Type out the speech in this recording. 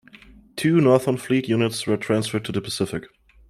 Two Northern Fleet units were transferred to the Pacific.